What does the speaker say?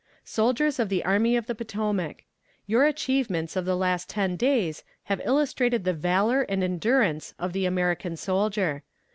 "Soldiers of the Army of the Potomac: Your achievements of the last ten days have illustrated the valor and endurance of the American soldier.